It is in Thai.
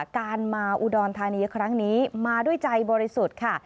การมาอุดรธานีครั้งนี้มาด้วยใจบริสุทธิ์ค่ะ